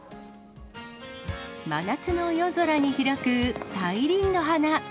真夏の夜空に開く大輪の花。